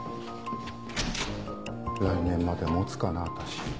来年まで持つかな私。